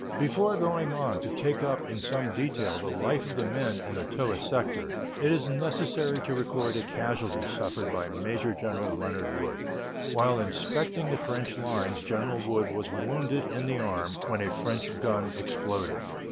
Before going on to take up in some detail the life of the men in the Toul sector, it is necessary to record a casualty suffered by Major General Leonard Wood. While inspecting the French lines General Wood was wounded in the arm when a French gun exploded.